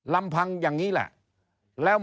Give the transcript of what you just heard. ลำพังอย่างนี้แหละ